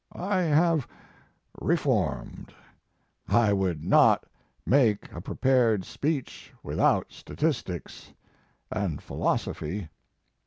I have reformed, I would not make a prepared speech without statistics and philosophy.